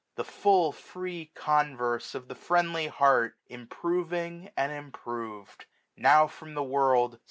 The full free converse of the friendly heart, 1395 Improving and improved. Now from the world.